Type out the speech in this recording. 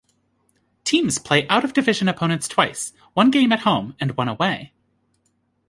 Teams play out-of-division opponents twice, one game at home and one away.